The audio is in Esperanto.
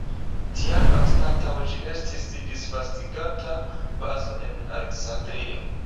Tial anstataŭ ĝi estis disvastigata bazo en Aleksandrio.